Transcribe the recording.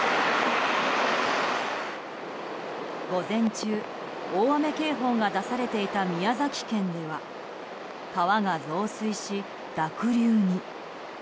午前中、大雨警報が出されていた宮崎県では川が増水し濁流に。